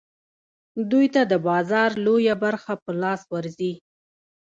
دوی ته د بازار لویه برخه په لاس ورځي